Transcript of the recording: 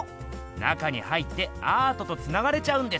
中に入ってアートとつながれちゃうんです。